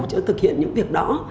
cho thực hiện những việc đó